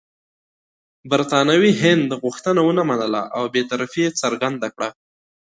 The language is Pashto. برټانوي هند غوښتنه ونه منله او بې طرفي یې څرګنده کړه.